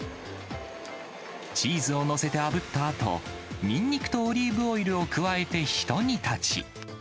チーズを載せてあぶったあと、ニンニクとオリーブオイルを加えてひと煮立ち。